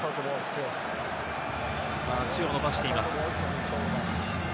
足を伸ばしています。